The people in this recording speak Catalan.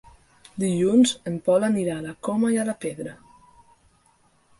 Dilluns en Pol anirà a la Coma i la Pedra.